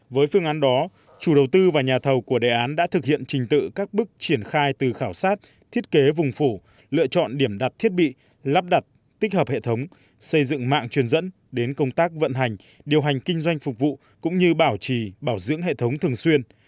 với phương án đó chủ đầu tư và nhà thầu của đề án đã thực hiện trình tự các bước triển khai từ khảo sát thiết kế vùng phủ lựa chọn điểm đặt thiết bị lắp đặt tích hợp hệ thống xây dựng mạng truyền dẫn đến công tác vận hành điều hành kinh doanh phục vụ cũng như bảo trì bảo dưỡng hệ thống thường xuyên